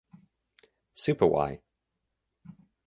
Super Why!